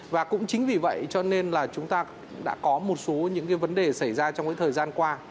và cũng chính vì vậy cho nên là chúng ta đã có một số những cái vấn đề xảy ra trong cái thời gian qua